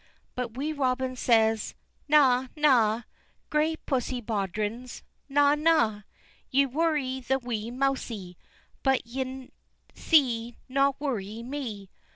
But Wee Robin says: "Na, na! gray Poussie Baudrons, na, na! Ye worry't the wee mousie, but ye'se no worry me."